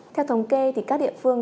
theo thống kê thì các địa phương